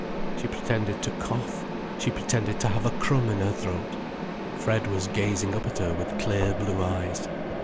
She pretended to cough, she pretended to have a crumb in her throat. Fred was gazing up at her with clear blue eyes.